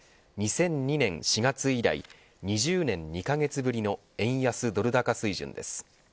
２００２年４月以来２０年２カ月ぶりの円安ドル高水準です。